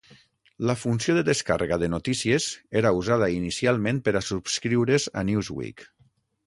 La funció de descàrrega de notícies, era usada inicialment per a subscriure's a Newsweek.